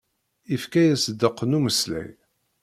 Ifka-yas ddeq n umeslay.